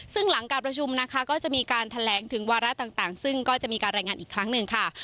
ซึ่งหลังการประชุมนะคะก็จะมีการแถลงถึงวาระต่างซึ่งก็จะมีการรายงานอีกครั้งหนึ่งค่ะ